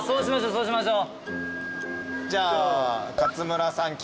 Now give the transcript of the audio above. そうしましょう。